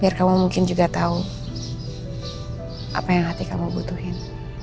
biar kamu mungkin juga tahu apa yang hati kamu butuhin